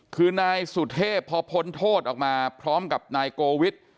คือนายสุเทพพอพ้นโทษออกมาพร้อมกับนายโกวิท